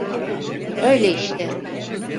Öyle işte.